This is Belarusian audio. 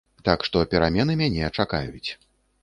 Так што, перамены мяне чакаюць.